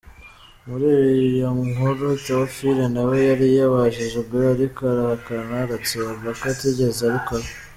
Muri iyo nkuru, Théophile nawe yari yabajijwe ariko arahakana aratsemba ko atigeze abikora.